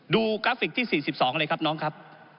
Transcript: กราฟิกที่๔๒เลยครับน้องครับ